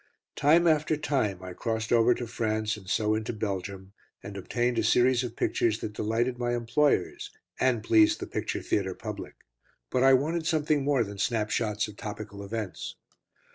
Time after time I crossed over to France and so into Belgium, and obtained a series of pictures that delighted my employers, and pleased the picture theatre public. But I wanted something more than snapshots of topical events.